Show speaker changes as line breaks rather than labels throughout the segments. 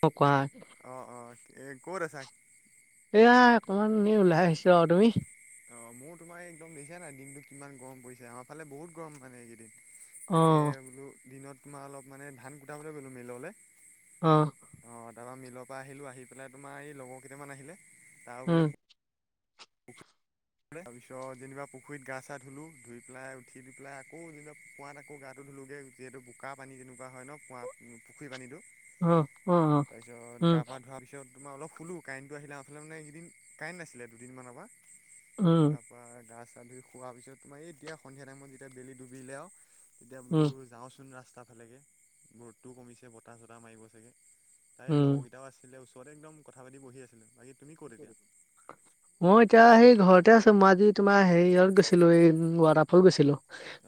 ম কোৱা
অঁ অঁ ক'ৰ আা
এইয়া অকণমান এ ওলাই আহিছো আৰু তুমি
অ মোৰো তোমাৰ একদম দিছো নাই দিনটো কিমান গৰম পৰিছে আমাৰ ফালে বহুত গৰম মানে এইকেইদিন
অ
তাকে বোলো দিনত তোমাৰ অলপ মানে ধান কুটাবলৈ গ'লোঁ মেইললৈ
অ
অ তাৰপৰা মিলৰ পৰা আহিলো আহি পেলাই তোমাৰ এই লগৰ কেইটামান আহিলে তাৰ
উম
বোলে তাৰপিছত যেনিবা পুখুৰীত গা চা ধুলো ধুই পেলাই উঠি দি পেলাই আকৌ যেনিবা পঁৱাত আকৌ গাটো ধুলোোগে যিহেতু বোকা পানী তেনেকুৱা হয় ন কুঁৱা পুখুৰী পানীটো
অ অ অ
তাৰ পিছত
উম
গা পা ধোৱাৰ পিছত তোমাৰল খোলো কাৰেণ্টটো আহিলে আফালে মে এইকেইদ কাৰেণ্ট নছিল দুদিনমানৰ পৰা
উ
তাৰৰা গা চা ধুই খোৱাৰ পিছত তোমাৰ এই এতিয়া সন্ধিয়া টাইমত যেতিয়া বেলি ডুবিলে আৰু তেতিয়া
উম
বোলো যাওঁচোন ৰাস্তা ফালেগে গৰতটোও কমিছে বতাহ চতাহ মাৰিব চাগে তাইৰ
উম
লগৰকেইটাও আছিলে ওচৰতে একদম কথা পাতি বহি আছিলোঁ বাকী তুমি ক'ত তেতিয়া
মই এতিয়া সেই ঘৰতে আছো মই আজি তোমাৰ হেৰি ইত গৈছিলো এই ৱাটাৰফল গৈছিলো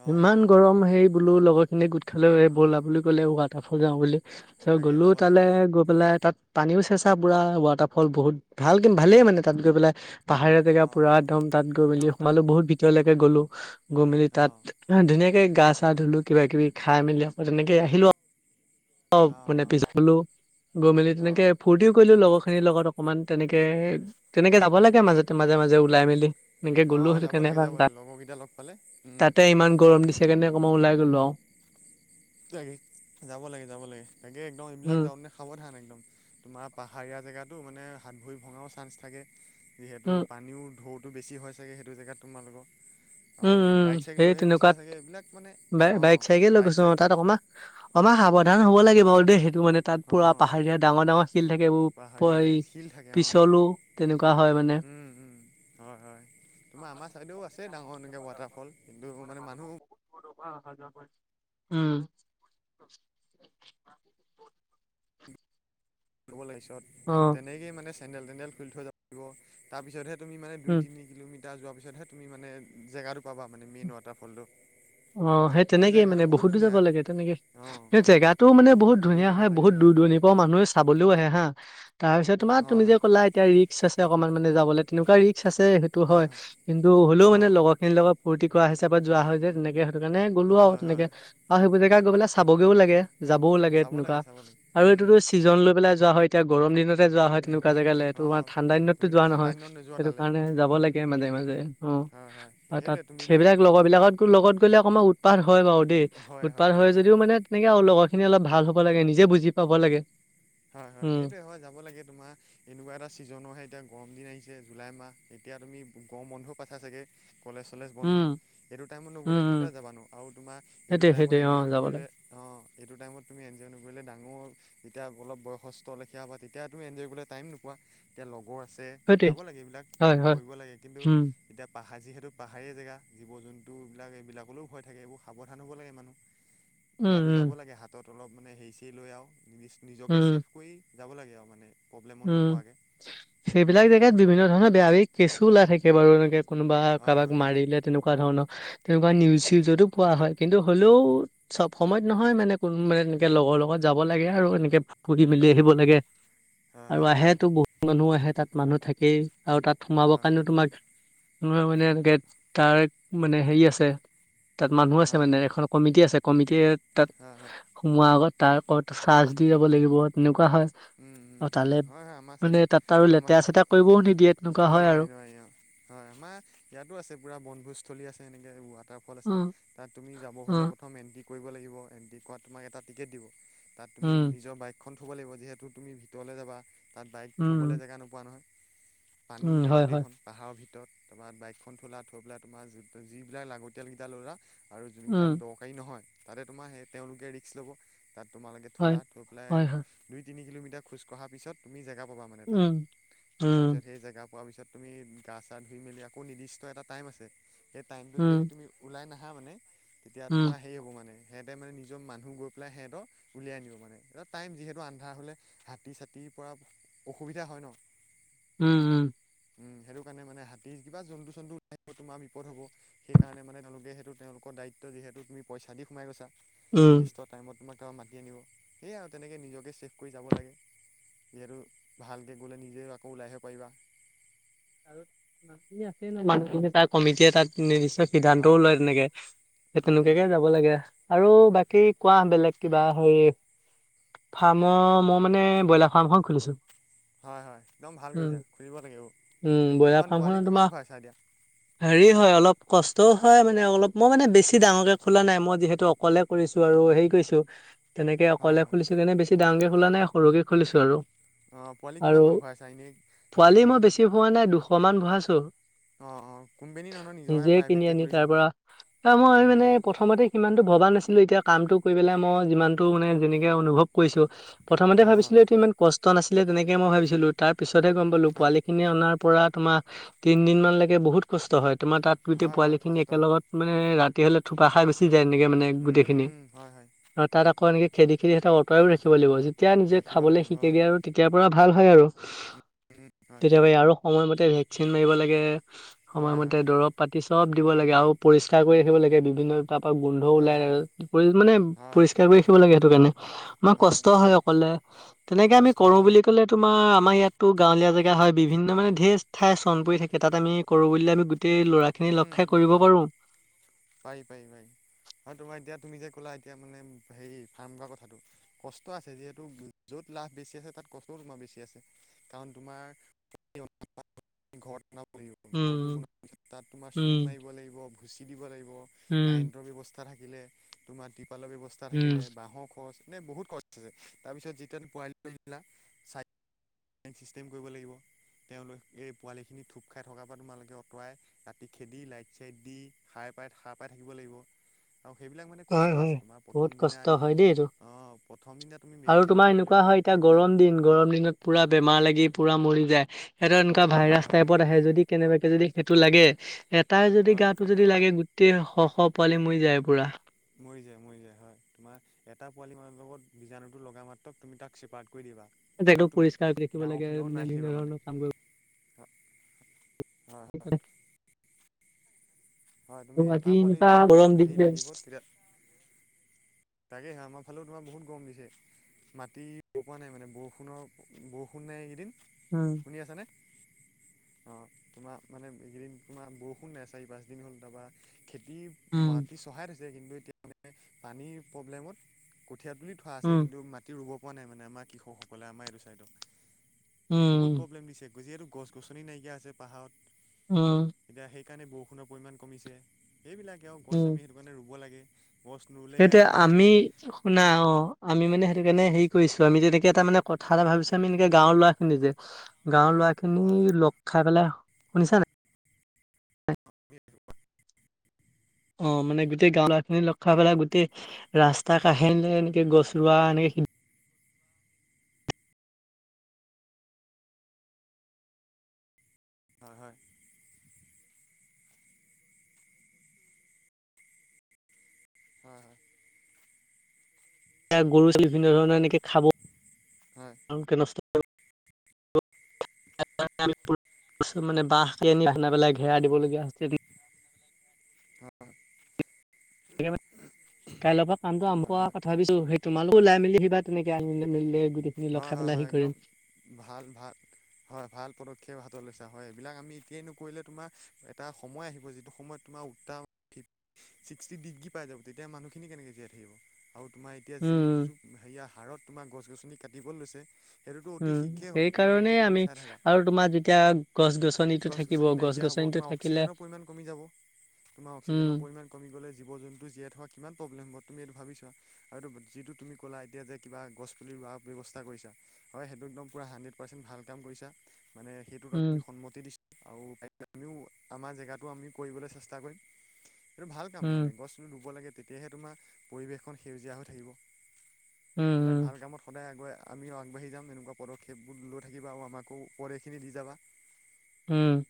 অঁ
ইমান
অঁ
গৰম হেই বোলো লগৰ খিনি গোট খালে বলা বুলি ক'লে ৱাটাৰফল যাওঁ বুলি তাৰছত
তাকে
গ'লো
যাব লাগে
তালৈ,
যাব লাগে
গৈ পেলাই তাত পানীও চেঁচা পুৰা ৱাটাৰফল বহুত ভাল ভালেই মানে তাত গৈ পেলাই, পাহাৰীয়া জেগা
অঁ
পুৰা
অঁ
একদম তাত গৈ মেলি
একদম তাত
সোমালো বহুত এতিয়ালৈকে গ'লো গৈ মেলি তাত
অঁ
অ', ধুনীয়াকে গা চা ধুলো কিবা কিবি, খাই মেলি আকৌ তেনেকে আহিলো আৰু অ', ানে
অঁ
পিছফলো গৈ মেলি তেনেকে
অঁ
ফূৰ্তিও কৰিলো, লগৰখিনিৰ লগত অকণমান তেনেকে তেনেকে যাব লাগে মাজতে ত মাজে মাজে ওলাই মেলি এনেকে গ'লো,
অঁ অঁ
সেইটো
যাব লাগে
কেনেুৱা
যাব
ত
লাগে লগৰকেইটা লগ পালে উম
তাতে ইমান গৰম দিছে সেইকাৰেক মই লাই গলো আৰু
তাকে যাব লাগে, যাব লাগে, তাকে একদম এইবিলাক
উম,
যাও নে সাৱধান, একদম তোমাৰ পাহাৰীয়া জেগাতো মানে হাত ভৰি ভঙাও চান্স থাকে যিহেতু
উম,
পানীও ঢৌটো বেছি হয় চাগে সেইটো জেগাত তোমালোকৰ
উম,
আৰু
উম,
বাইক চাইক
সেই
লৈহে গৈছিলা
তেনেকুৱাত
চাগে এইবিলাক মানে অ
বাই-বাইক চাইকে লৈ
বাইক
গৈছো
চাইক
অ', তাত অকমান সাৱধান হ'ব লাগে বাৰু দেই, সেইটো মানে তাত পুৰা
অঁ
পাহাৰীয়া ডাঙৰ ডাঙৰ শিল থাকে, এইবোৰ প
পাহাৰীয়া জেগা শিল থাকে অঁ
পিছলো তেনেকুৱা হয় মানে
উম, উম, হয়, হয়, তোমাৰ আমাৰ ছাইডেও আছে ডাঙৰ এনেকৈ ৱাটাৰফল কিন্তু মানে মানুহ
উম,
[unintelligible]
অ',
[unintelligible] এতি যোৱাৰ পিছতহে তুমি
উম,
মানে, জেগাটো পাবা মানে মেইন ৱাটাৰফল টো
অ', সেই তেনেকেই মানে, বহুত দূৰ যাব লাগে তেনেকে
অঁ
এই জোতটো মানে, বহুত
দূৰ
ধুনীয়া
যাব
হয়,
লাগে
বহুত দূ দূৰণি মানুহে চাবলৈও আহে হা, তাৰ পিছ তোমাৰ তুমি যে
হয়
ক'লা এতিয়া ৰিক্ক আছে অকনমান মানে, যাবলৈ তেনেকুৱা ৰিক্ক আছে সেইটো হয়, কিন্তু হ'লেও মানে
অঁ
লগত সেই লগত ফূৰ্তি কৰা হিচাপ পৰা যোৱা হয় যে তেনেকে, সেইটো কাৰণে গ'লো আৰু
হয় হয়
তেনেকে আৰু সেইবোৰ জেগা গৈ পলে চাবগেও লাগে, যাবও লাগে
চাব
তেনেকুৱা
চাব লাগে
আৰু
উম
এইটোতো ছিজন লৈ পেলাই যোৱা হয়, এতিয়া গৰম দিনত যোৱা হয় তেনেকুৱা জেগালৈ, তটো আমাৰ
অঁ
ঠাণ্ডা দিনতো
তুমিতো
যোৱা
ঠাণ্ডা
নহয়,
দিনত নোযোৱা
সেইটো
তালৈ
কাৰণে যাব লাগে মাজে মাজে
হয় হয়
অ', তাত
সেইটোৱে তুমিতো
সেইবিলাক লগৰ বিলাকত গ লগত আৰ উৎপাৰ হয় বাৰু দেই, উৎপাত হয় যদিও ম মানে, তেনেকে আৰু লগৰ খিনি অলপ ভাল হ'ব লাগে, নিজে বুজি পাব লাগে
হয়, হয়,
উম
সেইটো হয় যাব লাগে তোমাৰ এনেকুৱা এটা ছিজননৰ হয়, এতিয়া গৰম দিন আহিছে জুলাই মাহ, এতিয়া তুমি গম বন্ধও পাঠা চাগৈ কলেজ চলেজ বন্ধ
উম
এইটো টাইমত নগ'লে,
উম উম
কউতা যাবানো আৰু তোমাৰ এইটো
সেইটোৱে
টাইমত
সেইটোৱে অ
এনজয়
যাব
নকৰিলে
লাগে
অ', এইটো টাইমত তুমি এনজয় নকৰিলে, ডাঙৰ যেতিয়া অলপ বয়সস্থ লেখিয়া হবা, তেতিয়াতো এঞ্জয় কৰি'লে টাইম নোপোৱা এতিয়া লগৰ আছে
সেইটোৱে
যাব লাগে এইবিলাক
হয় হয়
কৰিব লাগে কিন্তু
উম
এতিয়া পাহাৰ যিহেতু পাহাৰীয়া জেগা, জীৱ জন্তুবিলাক এইবিলাকৰলৈও ভয় থাকে, এইবোৰ সাৱধান হ'ব লাগে মানুহ [inaudible]
উম
যোৱাটো যাব
উম
লাগে, হাতত অলপ মানে হেৰি চ লৈ আৰু, নি নিজকে চছেফ
উম
কৰি যাব লাগে আৰু মানে প্ৰব্লেমত
উম,
নপৰাকৈ
সেইবিলাক দেখা বিভিন্ন ধৰণৰ বেয়া কেচো ওলাই থাকে, বাৰু এনেকে কোনোবা
হয়
কাৰোবাক
হয়
মাৰিলে, তেনেকুৱা ধৰণৰ তেনেকুৱা নিউজউ যতো পোৱা হয়, কিন্তু হ'লেও চব সময়ত নহয় মানে, কোনো মানে এনেকে লগৰ লগত যাব লাগে আৰু, এনেকে ফুৰি মেলি আহিব লাগে
হয়
আৰু
হয়
আহেতো, বহুত মানুহো আহে তাত মানুহ থাকেই, আৰু তাত সোমাবৰ
হয়
কাৰণেও তোমাক মানে, এনেকে তাৰ মানে, হেৰি আছে তাত মানুহ
হয় হয়
আছে
হয়
মানে এখন কমিটি আছে, কমিটিয় তাত
হয়
সোমোৱাৰ আগত তাৰ ওৰত চাৰ্জ দি যাব লাগিব, তেনেকুৱা হয় অ', তালে
হয় হয় হয় আমাৰ
মানে,
চাইডো
তাত আৰু
আমাৰ
লেতেৰা চেতেৰা কৰিবও নিদিয়ে তেনেকুৱা হয় আৰু
নোৱাৰি নোৱাৰি অ হয় আমাৰ ইয়াতো আছে পুৰা বনভোজস্থলী আছে এনেকে ৱাটাৰ ফল আছে
উম
তাত তুমি যাব হ'লে
উম
প্ৰথম এণ্ট্ৰি কৰিব লাগিব এণ্ট্ৰি কৰাত তোমাক এটা টিকেট দিব। তাত তুমি
উম
নিজৰ বাইকখন থ'ব লাগিব। যিহেতু তুমি ভিতৰলৈ যাবা তাত বাইক
উম
থ'বলৈ জেগা নোপোৱা নহয়। পানী
উম হয় হয়
গোটেইখন। পাহাৰৰ ভিতৰত তোমাৰ বাইকখন থ'লা থৈ পেলাই তোমাৰ যিবিলাক লাগতিয়াল কেইটা ল'লা আৰু
উম
যোনকেইডাল দৰকাৰী নহয় তাতে তোমাৰ সেই তেওঁলোকে ৰিষ্ক ল'ব। তাত তোমালোকে
হয়
থোলা থৈ পেলাই
হয় হয়
দুই তিনি কিলোমিটাৰ খোজ কঢ়াৰ পিছত তুমি জেগা পাবা মানে তাত।
উম উম
তাৰপিছত সেই জেগা পোৱাৰ পিছত তুমি গা চা ধুই মেলি আকৌ নিৰ্দিষ্ট এটা টাইম আছে সেই টাইমটোত যদি
উম
তুমি ওলাই নাহা মানে তেতিয়া
উম
তোমাৰ হেৰি হ'ব মানে। সিহঁতে মানে নিৰ মানুহ গৈ পেলাই সিহঁতক উলিয়াই আনিব মানে এটা টাইম যিহেতু আন্ধাৰ হ'লে হাতী চাতীৰ পৰা অসুবিধা হয় ন।
উম, উম।
উম, সেইটো কাৰণে মানে হাতীৰ কিবা জন্তু জন্তুিব তোমাৰ বিপদ হ'ব। সেইকাৰণে মানে তেওঁলোকে সেইটো তেওঁলোকৰ দায়িত্ব যিহেতু তুমি পইচা দি সোমাই গৈছা
উম
নিৰ্দিষ্ট। টাইমত তোমাক তাৰপা মাতি আনিব সেয়াই আৰু তেনেকৈ নিজকে চেভ কৰি যাব লাগে। যিহেতু ভালকৈ গ'লে নিজেও আকৌ ওলাইহে পাৰিবা।
আৰু মানুহখিনিয়ে আছে নহয় মানুহখিনিয়ে তাৰ কমিটিয়ে তাত নিশ্চয়
হয়
সিদ্ধান্তও
হয়
লয় তেনেকে সেই
উম
তেনেকুৱাকে যাব লাগে। আৰু বাকী কোৱা বেলেগ কিবা হেৰি ফাৰ্মৰ মই মানে ব্ৰইলাৰ ফাৰ্মখন খুলিছোঁ।
হয়, হয় একদম ভাল কৰিছা খুলিব লাগে
উম
এইবোৰ।
ব্ৰইলাৰ
কিমান পোৱালি
ফাৰ্মখনত তোমাৰ
কিমান ভৰাইছা এতিয়া?
হেৰি হয় অলপ কষ্টও হয় মানে অলপ মই মানে বেছি ডাঙৰকে খোলা নাই মই যিহেতু অকলে। কৰিছো আৰু হেৰি কৰিছো। তেনেকে
হয়
অকলে
হয়
খুলিছিলো এনে বেছি ডাঙকে খোলা নাই সৰুকে খুলিছো আৰু।
অ', পোৱালি
আৰু
কিমান মান ভৰাইছা এনেই?
পোৱালি মই বেছি ভৰোৱা নাই দুশ মান ভৰাইছো।
অঁ অঁ কোম্পেনী নহয় নিজৰহে
নিজে কিনি
প্ৰাইভেটকৈ
আনি
খুলিছা
তাৰ পৰা তাৰ মই
উম,
মানে সময়তে সিমানটো ভবা নাছিলো এতিয়া কামটো কৰি পেলাই মই যিমানটো মানে যেনেকে অনুভৱ কৈছো প্ৰথমতে
হয় হয়
ভাবিছিলো এইটো ইমান কষ্ট নাছিলে তেনেকে মই ভাবিছিলো। তাৰ পিছতহে গম পালো
হয়
পোৱালি খিনি অনাৰ পৰা তোমাৰ তিনদিন মানলৈকে বহুত কষ্ট হয়। তোমাৰ তাত গোটেই
হয় হয়
পোৱালিখিনি
কষ্ট হয়
একেলগত মানে ৰাতি হ'লে থোপা খাই গুচি যায় এনেকে মানে
উম
গোটেইখিনি।
উম, হয় হয়
তাত আকৌ এনেকে খেদি খেদি সিহতঁক অতৰাইও ৰাখিব লাগিব যেতিয়া নিজে
ৰাখিব
খাবলৈ
লাগিব হয়
শিকেগে আৰু তেতিয়াৰ পৰা ভাল হয় আৰু।
[inaudible]
তেতিয়াবা আৰু সময়মতে ভেকচিন মাৰিব লাগে
হয়,
সময়মতে
হয়,
দ্ৰৱ পাতি চব দিব লাগে আৰু পৰিষ্কাৰ কৰি ৰাখিব লাগে বিভিন্ন তাৰ পৰা গোন্ধ
হয়,
ওলাই।
হয়,
পৰি মানে
হয়,
পৰিষ্কাৰ কৰি ৰাখিব লাগে সেইটো কাৰণে। আমাৰ কষ্ট হয় অকলে তেনেকে আমি
কষ্ট
কৰো
হয়,
বুলি
হয়,
ক'লে তোমাৰ আমাৰ ইয়াতো গাঁৱলীয়া জেগা। হয় বিভিন্ন মানে ধেৰ ঠাই চন পৰি থাকে ত আমি কৰো বুলিলে আমি গোটেই ল'ৰা
উম, উম হয় পাৰি পাৰি হয়। হয় তোমাৰ এতিয়া তুমি যে ক'লা এতিয়া মানে হেৰি ফাৰ্ম খোলা কথাটো। কষ্ট আছে যিহেতু য'ত লাভ বেছি আছে তাত কষ্টও তোমাৰ বেছি আছে। কাৰণ তোমাৰ [unintelligible] ঘৰতো
উম
বনো তাত তোমাৰ চূণ
উম
মাৰিব লাগিব ভুচি দিব লাগিব
উম
কাৰেণ্টৰ ব্যৱস্থা থাকিলে তোমাৰ তিপালৰ ব্যৱস্থা
উম
থাকিলে বাহঁৰ খৰচ মানে বহুত খৰছ। তাৰপিছত যেতিয়া পোৱালি [unintelligible] চিষ্টেম কৰিব লাগিব তেওঁলোক এই পোৱালিখিনি থোপ খাই থকাৰ পৰা তোমালোকে আঁতৰাই ৰাতি খেদি লাইট চাইট দি সাৰ পাই সাৰ পাই থাকিব লাগিব। আৰু সেইবিলাক মানে
হয়
কষ্ট
হয়
আছে তোমাৰ প্ৰথম
বহুত
দিনা
কষ্ট
আনি
হয় দেই এইটো
অ' প্ৰথম তুমি
আৰু
মেডিচিন
তোমাৰ এনেকুৱা
লাগতে
হয় এতিয়া
সেইবিলাকক
গৰম দিন। গৰম দিনত পুৰা বেমাৰ লাগি পুৰা মৰি যায় সিহঁতৰ এনেকুৱা
হয়
ভাইৰাছ
হয়
টাইপত আহে যদি কেনেবাকে যদি সেইটো লাগে এটাই যদি
হয়
গাটো যদি লাগে গোটেই শ শ পোৱালি মৰি যায় পুৰা
মৰি যায়, মৰি যায়, হয় তোমাৰ এটা পোৱালি মানৰ লগত বীজাণুটো লগা মাত্ৰ তুমি তাক চিপাৰে্ট কৰি দিবা
জেগাটো
সেইটো তুমি
পৰিষ্কাৰ ৰাখিব লাগে
ডাঙৰখিনি লগ
মানে
নাই
বিভিন্ন
সেইবা মানে
ধৰণৰ কাম কৰিব
হয়। হয়,
আৰু
তুমি
আজি
এটা পোৱালি
এনেকুৱা গৰম
যেতিয়া হেৰি
দিছে।
লাগিব তেতিয়া তাকেহে আমাৰ ফালেও তোমাৰ বহুত গম দিছে। মাটি পৰোৱা নাই মানে বৰষুণৰ, বৰষুণ নাই এইকেইদিন
উম।
শুনি আছনে। অ', তোমাৰ মানে এইকেইদিন তোমাৰ বৰষুণ নাই চাৰি পাঁচদিন হ'ল তাৰপৰা খেতি
উম,
মাটি চহাই থৈছে কিন্তু এতিয়া মে পানীৰ প্ৰব্লেমত কঠীয়া তুলি ফা আছে
উম,
কিন্তু মাটি ৰুব পৰা নাই মানে আমাৰ কৃষকসকলে আমাৰ এইটো চাইডক বহুত
উম,
প্ৰব্লেম দিছে যিহেতু গছ গছনি নাইকিয়া আছে পাহাৰত
অ'।
এতিয়া সেইকাৰণে বৰষুণৰ পৰিমাণ কমিছে সেইবিলাকেও গছ
উম।
আমি সেইটো কাৰণে ৰুব লাগে। গছ নুৰুলে এয়া
সেইটোৱে
দেখিছাই
আমি
নহয়
শুনা অ', আমি মানে সেইটো কাৰণে হেৰি কৰিছো আমি তেনেকে এটা মানে কথা এটা ভাবিছোঁ আমি এনেকে গাঁৱৰ ল'ৰা খিনি যে গাঁৱৰ ল'ৰা খিনি
হয়
লগ খাই পেলাই শুনিছা নাই।
[unintelligible]
অ', মানে গোটেই গাওখিনি লৰা পেলাই গোট ৰাস্তা কাাহেে এনেকে গছ ৰোৱা এনেকে
হয়, হয়। হয়, হয়।
এয়া গৰু বিভিন্ন ধৰণৰ এনেকে খাব।
হয় [unintelligible]
মানে বাহ আ খা পেলাই ঘেৰা দিবলগীয়া
আহ [unintelligible]
কাইলৈৰ পৰা কামটো আম
হয় হয়
কৰা কথা ভাবিছো সেই তোমালোক ওালাই মেলি আহিবা তেনেকে গ [unintelligible]
হয়, হয় একদম ভাল, ভাল। হয় ভাল পদক্ষেপ হাতত লৈছা হয় এইবিলাক আমি এতিয়াই নকৰিলে তোমাৰ এটা সময় আহিব যিটো সময়ত তোমাৰ উঠ [unintelligible] ছিক্সটি ডিগ্ৰী পাই যাব তেতিয়া মানুহখিনি কেনেকৈ জীয়াই থাকিব আৰু তোমাৰ এতিয়া যি
উম
যোৰ সেয়া হাৰত তোমাৰ গছ গছনি কাটিব লৈছে সেইটোতো অতি
উম
শীঘ্ৰেই হ'ব তোমাৰ
সেইকাৰণে
এইটো তুমি
আমি
চাই থাকা
আৰু তোমাৰ যেতিয়া গছ গছনিটো
গছ
থাকিব
গছনি
গছ
নাইকিয়া হ'ব
গছনিটো
তোমাৰ
থাকিলে
অক্সিজেনৰ পৰিমাণ কমি যাব তোমাৰ
উম
অক্সিজেনৰ পৰিমাণ কমি গলে জীৱ জন্তু জীয়াই থোৱা কিমান প্ৰব্লেম হ'ব তুম এইটো ভাবি চোৱা আৰু এইটো যিটো তুমি ক'লা এতিয়া যে কিবা গছ পুলি ৰোৱাৰ ব্যৱস্থা কৰিছা হয়, সেইটো একদম পুৰা হাণ্ড্ৰেড পাৰ্চেণ্ট ভাল কাম কৰিছা মানে সেইটোত
উম
আমি সন্মতি দিছোঁ আৰু আমিও আমাৰ জেগাটো আমি কৰিবলৈ চেষ্টা কৰিম। এইটো ভাল কাম
উম
মানে গছ পুলি ৰুব লাগে তেতিয়াহে তোমাৰ পৰিৱেশখন সেউজীয়া হৈ
উম
থাকিব। এটাক
উম
ভাল কামত সদায় আগুৱাই আমিও আগবাঢ়ি যাম এনেকুৱা পদক্ষেপবোৰ লৈ থাকিবা আৰু আমাকো উপদেশ খিনি দি যাবা।
উম।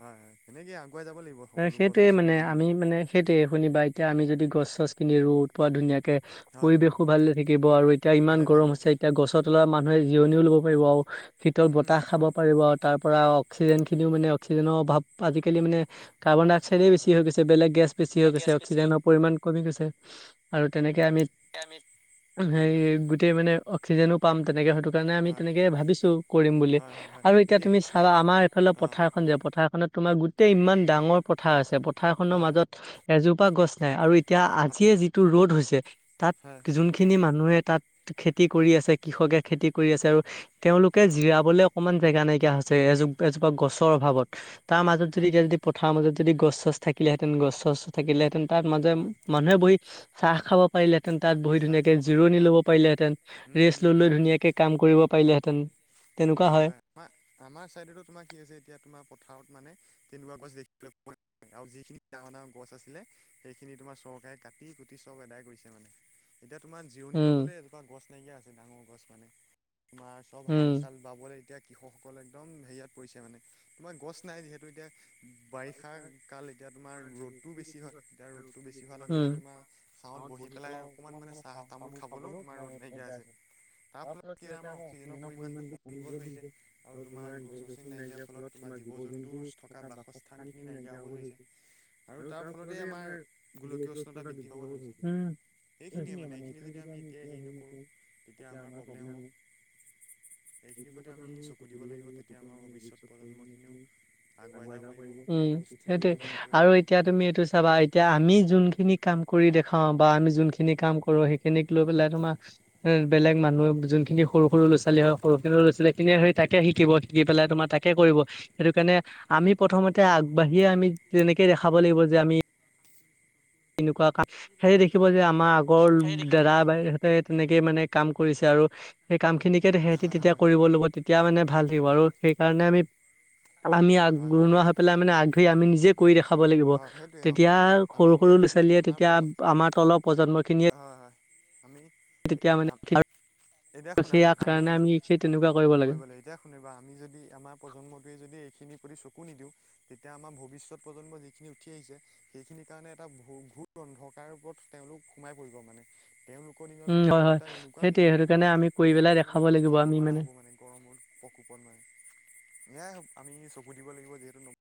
হয়, হয় সেনেকে আগুৱাই যাব লাগিব। সকলো গছ
সেইটোৱে
গছনি
মানে
ৰুই
আমি
মেলি
মানে সেইটোয়ে শুনিবা এতিয়া আমি যদি গছ গছপুলি ৰু পোৱা ধুনীয়াকে
হয়
পৰিবেশো ভালে থাকিব আৰু এতিয়া ইমান
ভালে
গৰম
থাকিব
হৈছে এতিয়া গছৰ তলোৱা মানুহে জিৰণিও ল'ব পাৰিব শীতল বতাহ খাব
হয়
পাৰিব তাৰ পৰা অক্সিজেনিনিও মানে অক্সিজেনৰ অাৱ আজিকালি মানে কাৰ্বনাই্স চেনে
হয়
বেছি
হয়।
হৈ গৈছে বেলেগ গেছ বেছি
বোলে
হৈ গৈছে
গেছ বেছি হৈ
অক্সিজেনৰ পৰিমাণ কমি গৈছে আৰু তেনেকে আমি
আমি
হে
হয় হয়
গোটেই মানে অক্সিজেনো পাম তেনেকে হয়তো সেই কাৰণে আমি
হয়
তেনেকে ভাবিছো কৰিম বুলি
হয় হয় হয়
আৰু এতিয়া তুমি চাবা
এতিয়া
আমাৰ এইফালে
অঁ
পথাৰখন যাব পথাৰখনত তোমাৰ গোট ইমান ডাঙৰ পথাৰ আছে পথাৰখনৰ
হয় হয়
মাজত এজোপা গছ নাই আৰু এতিয়া আজিয়ে যিটো ৰ'দ হৈছে তাত
হয়
যোনখিনি মানুহে তাত খেতি কৰি আছে কৃষকে খেতি কৰি আছে আৰু তেওঁলোকে
হয়
জিৰাবলৈ অকমান জেগা নাইকিয়া হৈছে এজো এজোপা গছৰ অভাৱত তাৰ মাজত যদি
হয়
এতিয়া যদি পথাৰৰ মাজত যদি গছ চছ থাকিলেহেঁতেন গছ চচ থাকিলেহেঁতেন তাত মাজে
হয়
মানুহে বহি চাহ খাব পাৰিলেতেন তাত বহি
চাই
ধুনীয়াকে
খাব পাৰি
জিৰণ
হয়
লব পাৰিলেহেঁতেন
উম উম
ৰেষ্ট লৈ
হয়
ধুনীয়াকে কাম কৰিব পাৰিলেহেঁতেন।
হয় হয় আমাৰ আমাৰ চাইডতো তোমাৰ কি হৈছে এতিয়া তোমাৰ পথাৰত মানে। তেনেকুৱা গছ দেখিব আৰু যিখিনি ডাঙৰ ডাঙৰ গছ আছিলে সেইখিনি তোমাৰ চৰকাৰে কাটি কুটি চব আদায় কৰিছে মানে। এতিয়া তোমাৰ জিৰণি
উম
লবলে এজোপা গছ নাইকিয়া আছে ডাঙৰ গছ মানে তোমাৰ চব হাল
উম
চাল বাবলৈ এতিয়া কৃষকসকললে একদম হেৰিয়াত পৰিছে মানে তোমাৰ গছ নাই যিহেতু এতিয়া বাৰিষা কাল এতিয়া তোমাৰ ৰ'দটোও বেছি হয় এতিয়া ৰ'দটো বেছি হোৱাৰ লগে লগে তোমাৰ। চাঁত বহি পেলাই অকণমান মানে চাহ তামোল খাবলৈও তোমাৰ ৰ'দ নাইকিয়া আছে। তাৰ ফলত কি আমাৰ অক্সিজেনৰ পৰিমানটো কম ব ধৰিছে আৰু তোমাৰ গছ গছনি নাইকিয়াৰ ফলত তোমাৰ জীৱ জন্তুৰ থকা বাসস্থান। খিনি নাইকিয়া হ'ব ধৰিছে।
আৰু তাৰ ফলতে আমাৰ [unintelligible]
গোলকীয় উষ্ণতা
বৃদ্ধি পাব
ধৰিছে
ধৰি।
সেইখিনিয়ে মানে এইখিনি যদি আমি এতিয়াই হেৰি নকৰোঁ
উম
তেতিয়া আমাৰ প্ৰব্লেম হ'ব। এইখিনিৰ প্ৰতি আমি চকু দিব লাগিব তেতিয়া আমাৰ ভৱিষ্যত প্ৰজন্ম খিনিও আগুৱাই যাব পাৰি।
উম সেইটোয়ে আৰু এতিয়া তুমি এইটো চাবা এতিয়া আমি যোনখিনি কাম কৰি দেখাও বা আমি যোনখিনি কাম কৰো সেইখিনিক লৈ পেলাই তোমাৰ বেলেগ মানুহ যোনখিনি সৰু সৰু ল'ৰা ছোৱালী হয় সৰু সৰু ল'ৰা ছোৱালী তেনে সৰি তাকে শিকিব। শিকি পেলাই তোমাৰ তাকে কৰিব সেইটো কাৰণে আমি প্ৰথমতে আগবাঢ়িয়ে আমি তেনেকে দেখাব লাগিব যে আমি এনেকুৱা কাম সেয়া দেখিবা যে আমাৰ আগৰ
সেই দেখিব
দাদা বাই তেনেকেই মানে কাম কৰিছে আৰু সেই কাম খিনিকে সিহতি তেতিয়া কৰিব লগিব। তেতিয়া মানে ভাল থাকিব আৰু সেইকাৰণে আমি আমি
হয় হয়
আগৰণুৱা হৈ পেলাই মানে আগ ধৰি আমি নিজে কৰি দেখাব লাগিব
হয় সেইটোৱে অঁ
তেতিয়া
আমি
সৰু সৰু
এতিয়া
ল'ৰা
যদি
ছোৱালি
আমাৰ
তেতিয়া
প্ৰজ
আমাৰ তলৰ প্ৰজন্ম খিনিয়ে
হয় হয় আমি।
তেতিয়া মানে [unintelligible]
এতিয়া শুনা
সেই কাৰণে আমি সেই তেনেকুৱা কৰিব লাগে।
কুনবা আমি যদি আমাৰ প্ৰজন্মটোৱে যদি এইখিনি প্ৰতি চকু নিদিওঁ। তেতিয়া আমাৰ ভৱিষ্যত প্ৰজন্ম যিখিনি উঠি আহিছে। সেইখিনিৰ কাৰণে এটা ভ ভূুল অন্ধকাৰ ওপৰত তেওঁলোক সোমাই পৰিব মানে। তেওঁলোকৰ দিনলে
উম,
মানে
হয় হয়।
উত্তাপ এনেকুৱা
সেইটোৱে
বৃদ্ধি
সেইটো
পাব
কাৰণে আমি কৰি পেলাই
তেওঁলোকে মানে
দেখাব লাগিব
থাকিব
আমি
নোৱাৰা হ'ব মানে গৰমত। প্ৰকোপন নাই নাই আমি চকু দিব লাগিব যিহেতু।